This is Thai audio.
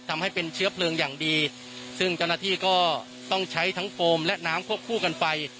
ทำให้เป็นเชื้อเพลิงอย่างดีซึ่งเจ้าหน้าที่ก็ต้องใช้ทั้งโฟมและน้ำควบคู่กันไป